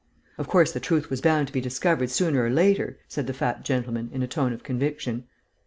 "Of course, the truth was bound to be discovered sooner or later," said the fat gentleman, in a tone of conviction.